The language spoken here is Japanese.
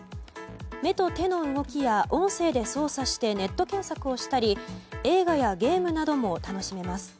目と手の動きや音声で操作してネット検索をしたり映画やゲームなども楽しめます。